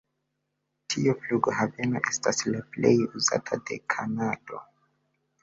Tiu flughaveno estas la plej uzata de Kanado.